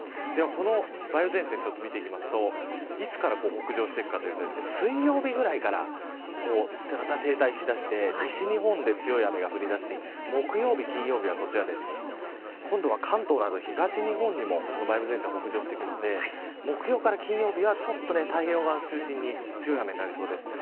この梅雨前線を見ていくといつから北上してくるかというと水曜日ぐらいからまた停滞しだして西日本で強い雨が降りだし木曜日、金曜日は今度は関東など東日本にも梅雨前線が北上していくので木曜から金曜日は、太平洋側を中心に強い雨になりそうです。